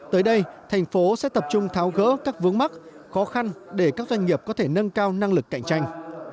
hội nghị sẽ tập trung tháo gỡ các vướng mắt khó khăn để các doanh nghiệp có thể nâng cao năng lực cạnh tranh